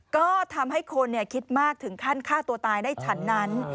ก็ทำให้คนคิดมากถึงขั้นฆ่าตัวตายได้ฉันนั้น